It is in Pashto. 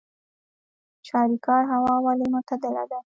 چاریکار هوا ولې معتدله ده؟